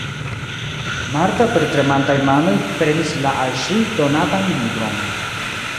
Marta per tremantaj manoj prenis la al ŝi donatan libron.